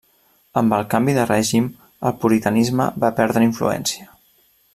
Amb el canvi de règim, el puritanisme va perdre influència.